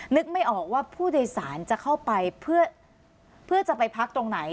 นึกไม่ออกว่าผู้โดยสารจะเข้าไปเพื่อจะไปพักตรงไหน